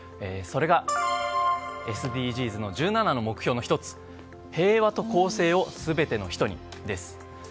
それがＳＤＧｓの１７の目標の１つ「平和と公正を全ての人に」です。